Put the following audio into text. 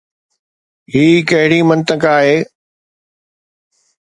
هي ڪهڙي منطق آهي؟